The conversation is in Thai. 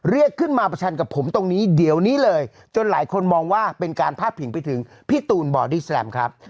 เรียกขึ้นมาประชันกับผมตรงนี้เดี๋ยวนี้เลยจนหลายคนมองว่าเป็นการพาดพิงไปถึงพี่ตูนบอดี้แลมครับ